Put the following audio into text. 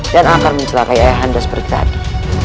dan akan mencelakai ayah anda seperti tadi